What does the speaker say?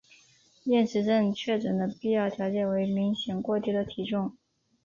厌食症确诊的必要条件为明显过低的体重。